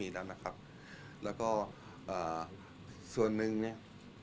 แล้วก็ส่วนหนึ่งเนี่ย